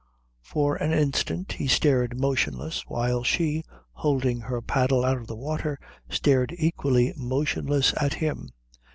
For an instant he stared motionless, while she, holding her paddle out of the water, stared equally motionless at him.